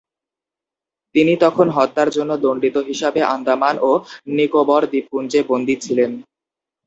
তিনি তখন হত্যার জন্য দণ্ডিত হিসাবে আন্দামান ও নিকোবর দ্বীপপুঞ্জে বন্দী ছিলেন।